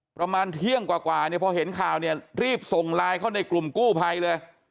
ประมาณเที่ยงกว่าเนี่ยพอเห็นข่าวเนี่ยรีบส่งไลน์เข้าในกลุ่มกู้ภัยเลย